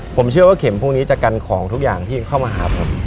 ผมเชื่อว่าเข็มพวกนี้จะกันของทุกอย่างที่เข้ามาหาผม